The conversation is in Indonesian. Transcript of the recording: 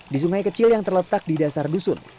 di sungai kecil yang terletak di dasar dusun